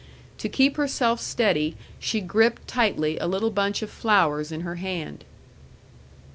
To keep herself steady she gripped tightly a little bunch of flowers in her hand.